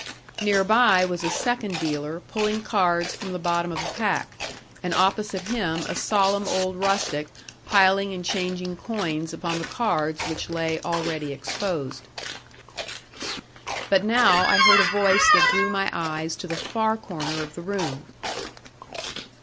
Near by was a second dealer pulling cards from the bottom of a pack, and opposite him a solemn old rustic piling and changing coins upon the cards which lay already exposed. But now I heard a voice that drew my eyes to the far corner of the room.